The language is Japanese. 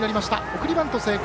送りバント成功